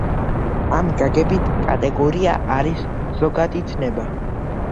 ამ გაგებით კატეგორია არის ზოგადი ცნება.